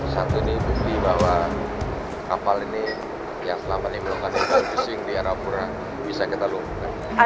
satu ini bukti bahwa kapal ini yang selama ini melakukan fishing di arapura bisa kita lumpuhkan